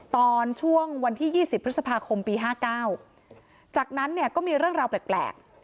ตอนช่วงวันที่๒๐พฤษภาคมปี๕๙จากนั้นเนี่ยก็มีเรื่องราวแปลก